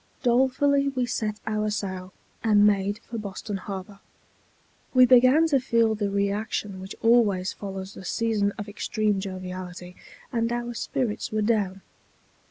Dolefully we set our sail, and made for Boston Harbor. We began to feel the reaction which always follows a season of extreme joviality, and our spirits were down.